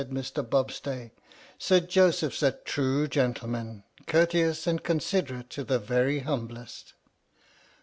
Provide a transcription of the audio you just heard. said Mr. Bobstay, "Sir Joseph 's a true gentleman; courteous and considerate to the very humblest."